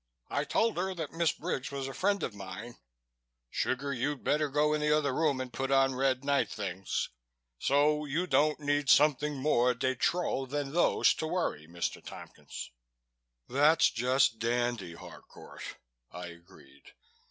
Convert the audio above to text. I told her that Miss Briggs was a friend of mine sugar, you'd better go in the other room and put on red night things so you don't need something more de trop than those to worry, Mr. Tompkins." "That's just dandy, Harcourt," I agreed.